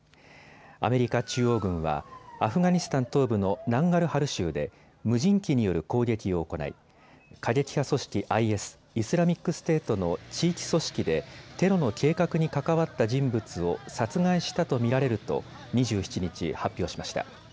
アメリカ中央軍はアフガニスタン東部のナンガルハル州で無人機による攻撃を行い、過激派組織ＩＳ・イスラミックステートの地域組織でテロの計画に関わった人物を殺害したと見られると２７日、発表しました。